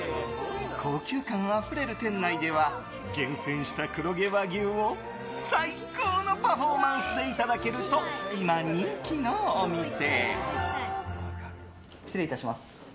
高級感あふれる店内では厳選した黒毛和牛を最高のパフォーマンスでいただけると今、人気のお店。